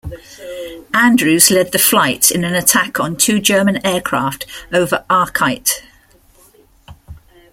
Andrews led the flight in an attack on two German aircraft over Achiet.